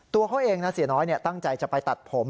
ตัวเขาเองนะเสียน้อยตั้งใจจะไปตัดผม